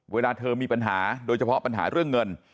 เวลาเธอมีปัญหาโดยเฉพาะปัญหาเรื่องเงิน